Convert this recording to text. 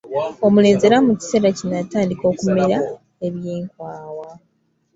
Omulenzi era mu kiseera kino atandika okumera eby'enkwawa.